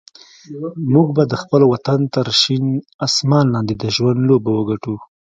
موږ به د خپل وطن تر شین اسمان لاندې د ژوند لوبه وګټو.